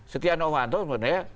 setia noh kanto sebenarnya